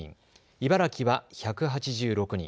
茨城は１８６人。